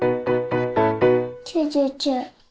９９。